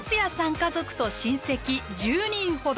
家族と親戚１０人ほど。